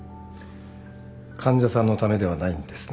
患者さんのためではないんですね。